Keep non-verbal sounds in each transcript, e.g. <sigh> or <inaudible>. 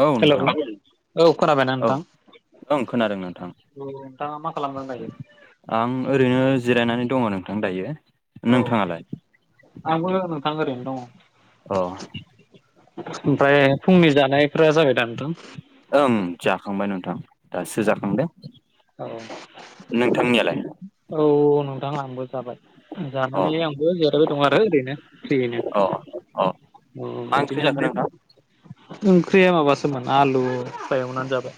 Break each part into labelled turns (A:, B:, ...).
A: औ
B: हेल'
A: नोंथां
B: <unintelligible> औ खोनाबायना
A: औ
B: नोंथां
A: ओं खोनादों नोंथां
B: औ नोंथाङा मा खालाम दों दायो।
A: आं ओरैनो जिरायनानै दङ नोंथां दायो।
B: औ
A: नोंथाङालाय
B: आंबो नोंथां ओरैनो दङ'।
A: औ
B: ओमफ्राय फुंनि जानायफोरा जाबाय दा नोंथां
A: ओं जाखांबाय नोंथां दासो जाखांदो
B: औ
A: नोंथांनियालाय
B: औ नोंथां आंबो जाबाय
A: अ
B: जानानै आंबो जेरायबाय दङो आरो ओरैनो फ्रियैनो
A: अ अ
B: अ
A: मा
B: बिदिनो।
A: ओंख्रि जाखो नोंथां
B: ओंख्रिया माबासोमोन आलु एवानो जाबाय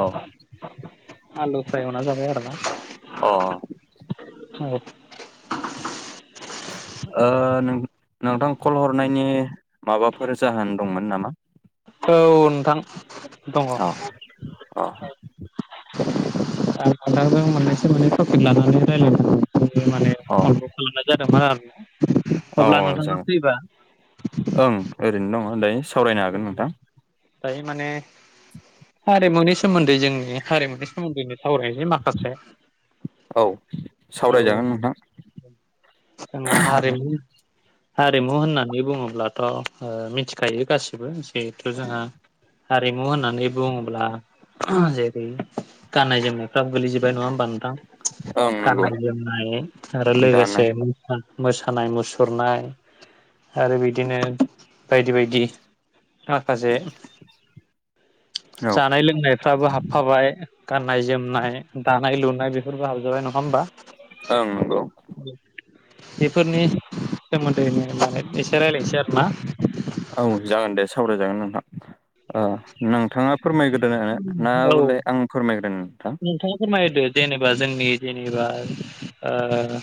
A: औ
B: आलु फ्राय एवना जाबाय आरोना
A: अ
B: <unintelligible>
A: ओ नोंथां कल हरनायनि माबाफोर जाहोन दंमोन नामा।
B: औ नोंथां दङ। आं
A: अ अ
B: नोंथांजो माने मोननैसो तफिक लानानै माने <unintelligible> कल
A: औ
B: खालामनाय जादोंमोन आरो
A: औ
B: अब्ला नोंथाङा
A: जागोन
B: फ्रिबा।
A: ओं ओरैनो दङ' दायो। सावरायनो हागोन नोंथां
B: दायो माने हारिमुनि सोमोन्दै जोंनि हारिमुनि सोमोन्दैनो सावरायनायनि माखासे
A: औ
B: औ
A: सावरायजागोन नोंथां
B: जोंहा हारिमु हारिमु होननानै बुङोब्लाथ'ओ मिथिखायो गासिबो जिहेथु जोंहा हारिमु होननानै बुङोब्ला जेरै गाननाय जोमनायफ्राबो गोलैजोबबाय नङा होमबा नोंथां
A: ओं नंगौ
B: गाननाय जोमनाय आरो
A: दानो
B: लोगोसे मोसानाय मुसुरनाय आरो बिदिनो बायदि बायदि। माखासे जा
A: औ
B: जानाय लोंनायफ्राबो हाबफाबाय गाननाय जोमनाय दानाय लुनाय बेफोरबो हाबजाबाय नङा होमबा
A: ओं नंगौ।
B: बेफोरनि सोमोन्दैनो मोजांङै एसे रायज्लायनोसै आरो ना।
A: औ जागोन दे सावरायजागोन नोंथां। ओ नोंथाङा फोरमायग्रदो ना
B: औ
A: बुले आं फोरमायग्रदो नोंथां।
B: नोंथाङा फोरमायदो जेनेबा जोंनि जेनेबा ओ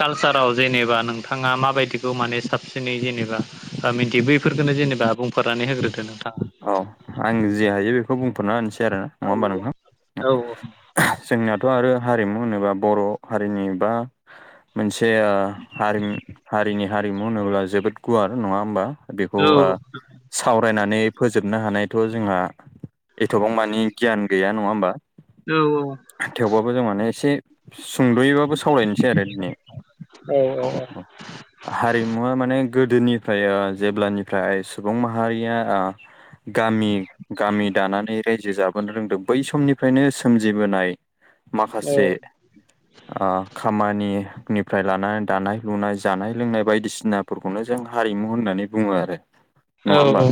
B: कालसाराव जेनेबा नोंथाङा माबायदिखौ माने साबसिनै जेनेबा बा मिन्थि बैफोरफोरखोनो जेनेबा बुंफोरनानै होग्रोदो नोंथाङा।
A: औ आं जे हायो बेखौ बुंथ'ना होनसै आरो।
B: औ
A: होमबा नोंथां?
B: अ औ अ
A: जोंनाथ' आरो हारिमु होनोबा बर' हारिनि बा मोनसे हारि हारिनि हारिमु होनोब्ला जोबोद गुवार नङा होमबा। बेखौ
B: औ
A: ओ सावरायनानै फोजोबनो हानायथ' जोंहा एथ'बां मानि गियान गैया नङा होमबा।
B: औ औ
A: थेवबाबो जों माने एसे सुंद'योबाबो सावरायायनोसै आरो दिनै
B: औ
A: हारिमुवा माने गोदोनिफ्राय ओ जेब्लानिफ्राय सु बुं माहारिया ओ गामि गामि दानानै रायजो जाबोनो रोंदों बै समनिफ्रायनो सोमजिबोनाय माखासे
B: <inaudible>
A: ओ खामानिनिफ्राय लानानै दानाय लुनाय जानाय लोंनाय बायदिसिना फोरखौनो जों हारिमु होननानै बुङो आरो नङा होमबा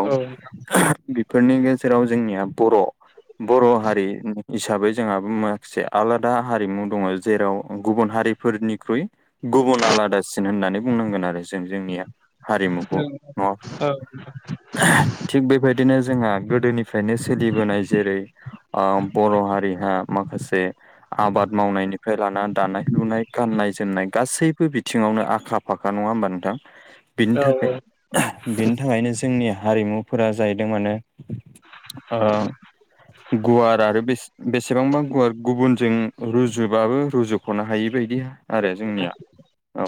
A: औ। बेफोरनि गेजेराव जोंनिया बर' बर' हारिनि हिसाबै जोंहाबो मासे आलादा हारिमु दङ जेराव गुबुन हारिफोरनिख्रुइ गुबुन आलादासिन होननानै बुंनांगोन आरो जों जोंनिया हारिमुखौ नङ
B: औ
A: थिग बेबायदिनो जोंहा गोदोनिफ्रायनो सोलिबोनाय जेरै ओ बर' हारिहा माखासे आबाद मावनायनिफ्राय लानानानै दानाय लुनाय गाननाय जोमनाय गासैबो बिथिङावनो आखा फाख्रा नङा होमबा नोंथां?
B: <inaudible>
A: बेनि
B: औ
A: थाखाय बेनि थाखायनो जोंनि हारिमुफोरा जाहैदों माने ओ गुवार आरो बेसेबांबा गुवार गुबुनजों रुजुबाबो रुजुख'नो हायि बायदि आरो जोंनिया औ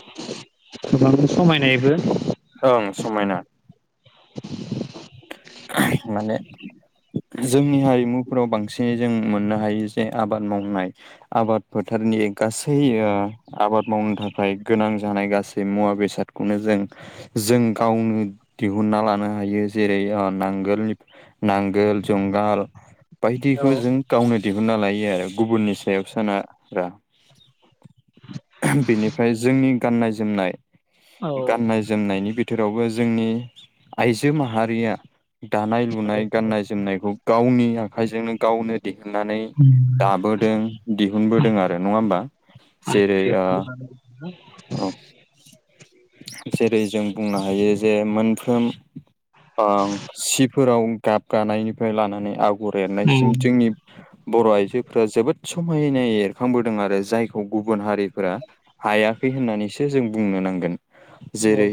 B: गोबां समायनायबो
A: ओं समायना। माने जोंनि हारिमुफोराव बांसिनै जों मोननो हायो जे आबाद मावनाय आबाद फोथारनि गासै ओ आबाद मावनो थाखाय गोनां जानाय गासै मुवा बेसादखौनो जों जों गावनो दिहुनना लानो हायो जेरै अ नांगोलनि नांगोल जुंगाल
B: औ
A: बायदिखौ जों गावनो दिहुनना लायो आरो गुबुननि सायाव सोना रा। बिनिफ्राय जोंनि गाननाय जोमनाय गाननाय जोमनायनि बिथोरावबो जोंनि आइजो माहारिया दानाय लुनाय गाननाय जोमनायखौ गावनि आखाइजोंनो गावनो दिहुननानै
B: उम
A: दाबोदों दिहुनबोदों आरो नङा होमबा।
B: <unintelligible>
A: अ जेरै जों बुंनो हायो जे मोनफ्रोम <unintelligible> सिफोराव गाबगानायनिफ्राय लानानै आगर एरनायसिम जोंनि बर' आइजोफोरा जोबोद समायनाय एरखांबोदों आरो जायखौ गुबुन हारि फोरा हायाखै होननानैसो जों बुंनो नांगोन। जेरै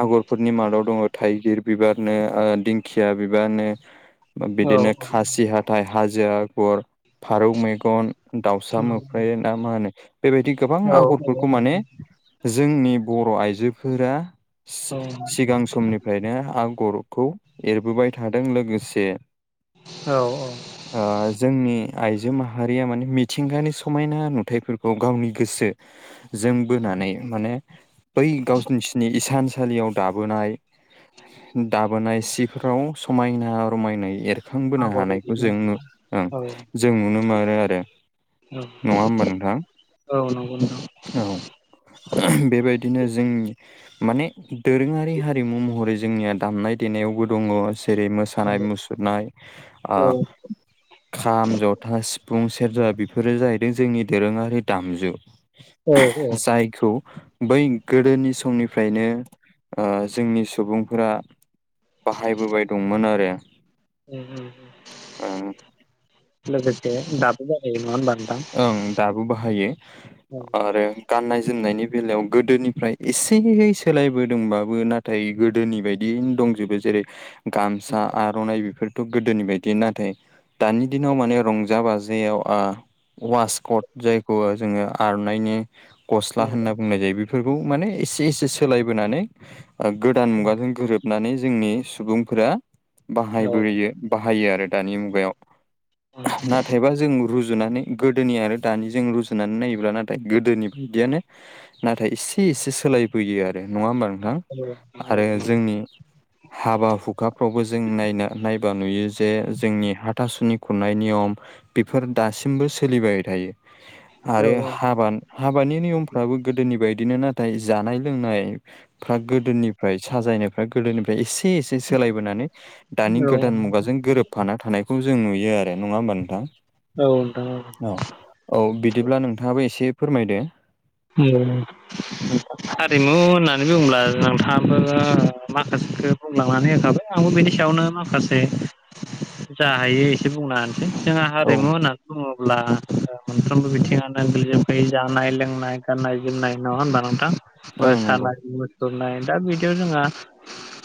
A: आगर फोरनि मादाव दङ' थाइगिर बिबारनो ओ दिंखिया बिबारनो बा बिदिनो खासि हाथाय हाजो आगर फारौ मेगन दाउसा मोफ्राय ना मा होनो बेबायदि गोबां आगरफोरखौ माने जोंनि बर' आइजोफोरा सि-सिगां समनिफ्रायनो आगरखौ एरबोबाय थादों लोगोसे
B: औ अ
A: ओ जोंनि आइजो माहारिया माने मिथिंगानि समायना नुथायफोर खौ गावनि गोसो जों बोनानै माने बै गावस्नि स्नि इसानसालियाव दाबोनाय दाबोनाय सिफोराव समायना रमायनाय एर खांबोनो हानायखौ जों
B: औ
A: <unintelligible> जों नुनो मोनो आरो नङा होमबा नोंथां।
B: औ नंगौ नोंथां।
A: औ बेबायदिनो जोंनि माने दोरोङारि हारिमु महरै जोंनिया दामनाय देनायावबो दङ' जेरै मोस सानाय मुसुरनाय ओ
B: औ
A: खाम, जथा, सिफुं, सेरजा बेफोरो जाहैदों जोंनि दोरोङारि दामजु।
B: औ
A: जायखौ बै गोदोनि समनिफ्रायनो ओ जोंनि सुबुंफोरा बाहायबोबाय दंमोन आरो
B: उम उम
A: ओं
B: लोगोसे दाबो जागायो‌ नङा होनबा नोंथां?
A: ओं दाबो बाहायो
B: औ
A: आरो गाननाय जोमनायनि बेलायाव गोदोनिफ्राय एसेयै सोलायबोदोंबाबो नाथाय गोदोनि बाय <unintelligible> दंजोबो जेरै गामसा आ आर'नाय बेफोरथ' गोदोनि बायदि नाथाय दानि दिनाव माने रंजा बाजायाव आ वासक'ट जायखौ जोङो आर'नाइनि गस्ला होनना बुंनाय जायो। बे फोरखौ माने एसे एसे सोलायबोनानै ओ गोदान मुगाजों गोरोबनानै जोंनि सुबुंफोरा
B: औ
A: बाहायबोयो बाहायो आरो दानि मुगायाव। नाथायबा जों रुजुनानै गोदोनि आरो दानिजों रुजुनानै नायोब्ला नाथाय गोदोनि बादियानो नाथाय इसे इसे सोलायबोयो आरो नङा होमबा नोंथां आरो जोंनि हाबा हुखाफ्रावबो जों नायनो नायबा नुयो जे जोंनि हाथासुनि खुरनाय नियम बेफोर दासिमबो सोलिबाय थायो
B: औ
A: आरो हाबा हाबानि नियमफ्राबो गोदोनि बायदिनो। नाथाय जानाय लोंनाय फ्रा गोदोनिफ्राय साजायनायफ्रा गोदोनिफ्राय एसे एस सोलायबोनानै दानि गोदान मुगाजों गोरोबफाना थानायखौ जों नुयो आरो नङा होमबा नोंथां?
B: औ नोंथां औ।
A: औ औ बिदिब्ला नोंथाङाबो एसे फोरमायदो
B: ओम हारिमु होननानै बुङोला नोंथाङो माखासेखौ बुंलांनानै होखाबाय आंबो बेनि सायावनो माखासे जा हायो एसे बुंनानै जोंहा
A: औ
B: हारिमु होनना नै बुङोब्ला मोनफ्रोमबो बिथिङानो गोलैजोबखायो जानाय लोंनाय गाननाय जोमनाय नङा होनबा नोंथां
A: ओं नंगौ
B: मोसानाय मुसुरनाय दा बिदियाव जोंहा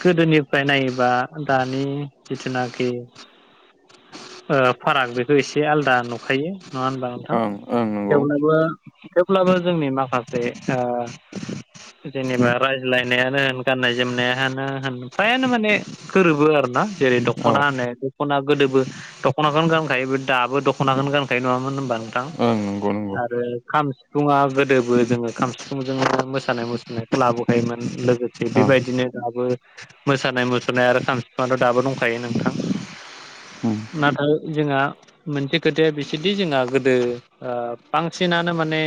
B: गोदोनिफ्राय नायोबा दानि जिथुनाखि ओ फाराग बेखौ एसे आलदा नुखायो नङा होनबा नोंथां
A: ओं ओं नंगौ
B: थेवब्लाबो थेवब्लाबो जोंनि माखासे ओ जेनेबा रायज्लायनायानो होन गाननाय जोमनायानो होन फायानो माने सोरोबो आरो ना जेरै
A: औ
B: दख'ना होनो दख'ना गोदोबो दख'नाखौनो गानखायो बे दाबो दख'नाखौनो गानखायो नङामोन होमबा थां
A: ओं नंगौ नंगौ
B: आरो खाम सिफुंया गोदोबो जोङो खाम सिफुंजों मोसानाय मुसुरनायखौ लाबोखायोमोन लोगो थिग
A: ओं
B: बेबायदिनो दाबो मोसानाय मुसुरनाय आरो खाम सिफाथ' दाबो दंखायो नोंथां।
A: ओम
B: नाथाय जोंहा मोनसे खोथाया बिसोदि जोंहा गोदो बांसिनानो माने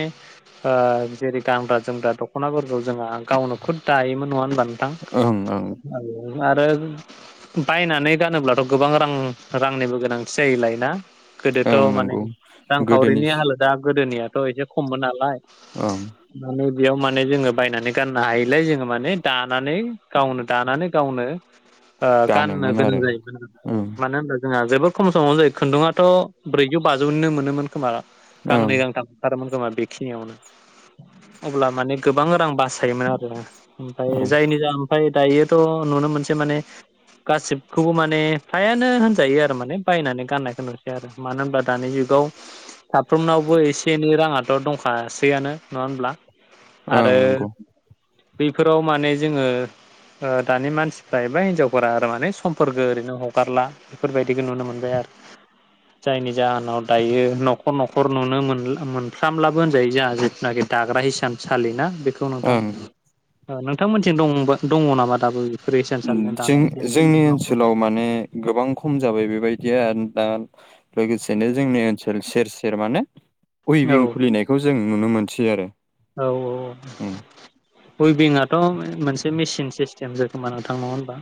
B: जेरै गानग्रा जोमग्रा दख'नाफोरखौ जोंहा गावनो खुद दायोमोन नङा होमबा
A: ओं ओं
B: नों आरो बायनानै गानोब्लाथ' गोबां रां रांनिबो गोनांथि जायोलाय ना गोदोथ'
A: ओं
B: माने
A: नंगौ गोदोनि
B: रांखावरिनि
A: सि
B: हालोदा गोदोनियाथ' एसे खममोन नालाय।
A: औ
B: माने बेयाव माने जोङो बायनानै गाननो हायलाय जोङो माने दानानै गावनो दानानै गावनो ओ गाननो
A: गानोमोन
B: गोनां
A: आरो
B: जायो औ
A: ओं
B: मानो होनबा जोंहा जेबो खम समावनो जायो खुन्दुङाथ' ब्रैजौ बाजौनिनो मोनोमोन खोमा
A: ओं
B: गांनै गांथाम ओंखारोमोन खोमा बे बेखिनियावनो अब्ला माने गोबां रां बासायोमोन आरो ओमफ्राय
A: औ
B: जायनि जा ओमफ्राय दायोथ' नुनो मोनसै माने गासिबखौबो माने फ्रायानो होनजायो आरो माने बायनानै गाननायखौ नुसै आरो। मानो होनबा दानि जुगाव साफ्रोमनावबो एसे एनै राङाथ' दंखासै फैआनो नङा होनब्ला
A: ओं
B: आरो
A: नंगौ
B: बैफोराव माने जोङो दानि मानसिफ्रा एबा हिनजावफोरा आरो माने समफोरखौो ओरैनो हगारला बेफोरबायदिखौ नुनो मोनबाय आरो। जायनि जाहोनाव दायो न'खर न'खर नुनो मोन मोनफ्रामब्लाबो होनजायो जोंहा जिथुनाखि दाग्रा हिसानसालिनाा बेखौ नोंथां।
A: ओं
B: नोंथांमोनथि दं दङ नामा दाबो बेफोर हिसानसालिजों
A: जों
B: दानाय
A: जोंनि
B: जेनेबा न'खर
A: ओनसोलाव माने गोबां खम जाबाय बेबायदिया दा लोगोसेनो जोंनि ओनसोल सेर सेर माने
B: औ
A: उइभिं खुलिनायखौ जों नुनो मोनसै आरो उम
B: उइबिंआथ' मोनसे मेसिन सिस्टेम जखोमा नोंथांनांगो होनबा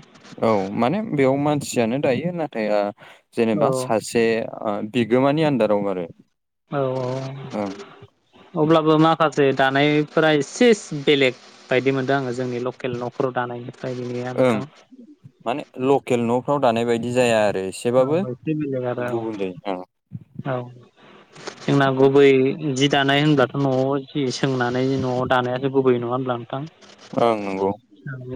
A: औ माने बेयाव मानसियानो दायो नाथाय
B: औ
A: जेनेबा
B: औ
A: सासे बे बिगोमानि आन्दाराव आरो।
B: औ
A: ओं
B: औ अब्लाबो माखासे दानायफोरा एसे बेलेग बायदि मोनदों आङो जोंनि लकेल न'खराव दानायनिफ्रायया
A: ओं
B: नोंथां
A: माने लकेल न'फ्राव दानाय बायदि जाया आरो एसेबाबो
B: औ एसे बेलेग आरो औ
A: गुबुनै उम
B: औ जोंना गुबै जि दानाय होनब्लाथ' न'आव जि सोंनानै न'आव दानायासो गुबै नङा होनब्ला। <unintelligible>
A: ओं नंगौ।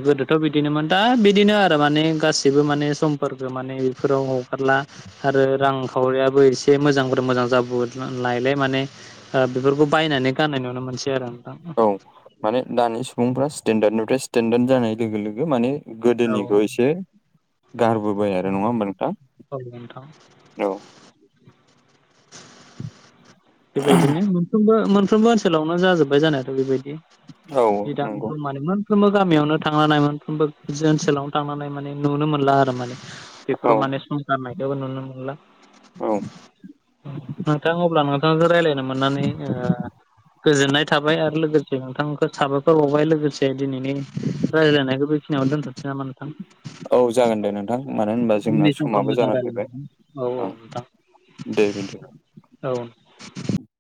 B: गोदोथ' बिदिनोमोन दा बिदिनो आरो माने गाससिबो माने समफोरखौ माने फोराव हगारला। आरो रांखावरियाबो एसे मोजांफोर मोजां जाबो लायलाय माने। बेफोरखौ बायनानै गाननाय नुनो मोनसै आरो नोंथां।
A: औ माने दानि सुबुंफ्रा स्टेेनडार्डनिफ्राय स्टेेनडार्ड जानाय लोगो लोगो माने
B: औ
A: गोदोनिखौ एसे गारबोबाय आरो नङा होमबा नोंथां
B: औ नोंथां
A: औ।
B: बेबायदिनो मोनफ्रोमबो मोनफ्रोमबो ओनसोलावनो जाजोब्बाय जानायाथ' बेबायदि
A: औ नंगौ
B: <unintelligible> मानिमोन। मोनफ्रोमबो गामियावनो थांानाय मोनफ्रोमबो ओनसोलावनो थांनानै माने नुनो मोनला आरो माने
A: औ
B: बेफोराव माने समंख मायथाइबो नुनो मोनला
A: औ
B: नोंथां अब्ला नोंथांखौ रायज्लायनो मोननानै गोजोननाय थाबाय आरो लोगोसे नोंथांखौ साबायखर बावबाय लोगोसे दिनैनि रायज्लायनायखौ बे दोनथनोसै नामा नोंथां।
A: औ जागोन दे नोंथां मानो होनबा
B: उननि
A: जोंना
B: समफ्राव
A: समाबो
B: मोजां
A: जाना फैबाय
B: रायज्लायनो औ औ नोंथां
A: दे बेन्दि
B: औ